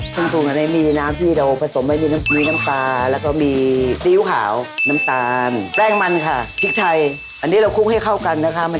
คุณผู้ชมครับมีน้ำที่เดาผสมไว้หนึ่งกาล